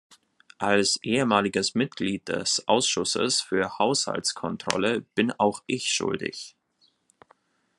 Als ehemaliges Mitglied des Ausschusses für Haushaltskontrolle bin auch ich schuldig.